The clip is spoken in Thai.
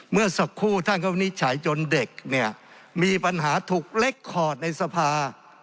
เมื่อสักครู่ท่านก็วินิจฉัยจนเด็กเนี่ยมีปัญหาถูกเล็กคอร์ดในสภา